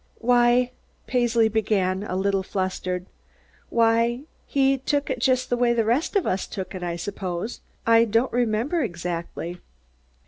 "Why " Paisley began, a little flustered, "why he took it just the way the rest of us took it, I suppose. I don't remember exactly."